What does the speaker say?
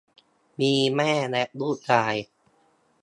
มีแม่และลูกชาย